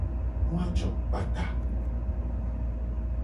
Nu a jo kpata.